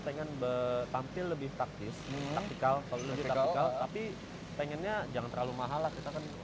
pengen tampil lebih taktis taktikal kalau lebih taktikal tapi pengennya jangan terlalu mahal lah kita kan